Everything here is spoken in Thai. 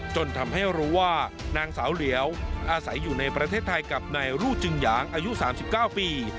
จนทำให้รู้ว่านางสาวเหลียวอาศัยอยู่ในประเทศไทยกับนายรูจึงหยางอายุ๓๙ปี